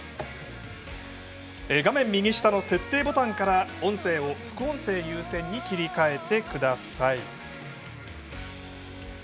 画面右下の設定ボタンから音声を副音声優先に切り替えてください。